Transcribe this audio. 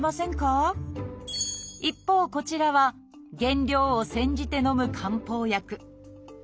一方こちらは原料を煎じてのむ漢方薬。